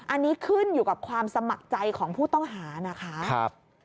อันนี้ขึ้นอยู่กับความสมัครใจของผู้ต้องหานะคะ